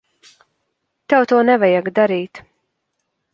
Tev to nevajag darīt.